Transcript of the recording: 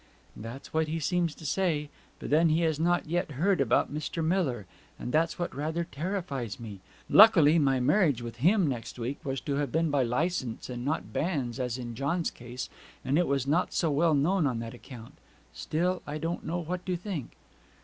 'That's what he seems to say. But then he has not heard yet about Mr. Miller; and that's what rather terrifies me. Luckily my marriage with him next week was to have been by licence, and not banns, as in John's case; and it was not so well known on that account. Still, I don't know what to think.'